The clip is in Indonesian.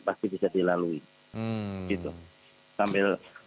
pasti bisa dilalui